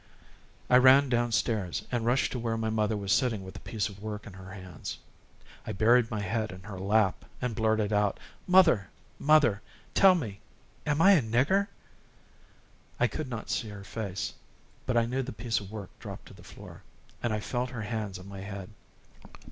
I ran downstairs and rushed to where my mother was sitting, with a piece of work in her hands. I buried my head in her lap and blurted out: "Mother, mother, tell me, am I a nigger?" I could not see her face, but I knew the piece of work dropped to the floor and I felt her hands on my head.